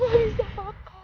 mama tidak bisa mengerti kamu